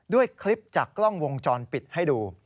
ด้วยคลิปจากกล้องวงจรปิดให้ดู